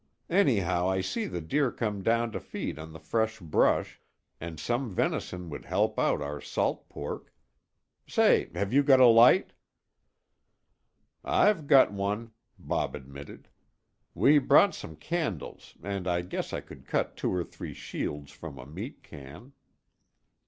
Anyhow, I see the deer come down to feed on the fresh brush, and some venison would help out our salt pork. Say, have you got a light?" "I've got one," Bob admitted. "We brought some candles, and I guess I could cut two or three shields from a meat can."